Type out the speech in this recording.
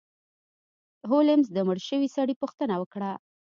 هولمز د مړ شوي سړي پوښتنه وکړه.